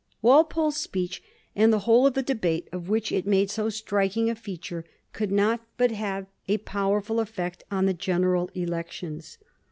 Walpole's speech, and the whole of the debate of which it made so striking a feature, could not but have a power ful effect on the general elections.